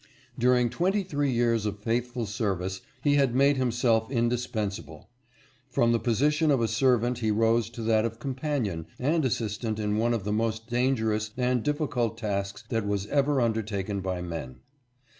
During twenty three years of faithful service he had made himself indispensable. From the position of a servant he rose to that of companion and assistant in one of the most dangerous and difficult tasks that was ever undertaken by men.